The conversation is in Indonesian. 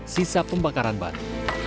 sisa pembakaran batu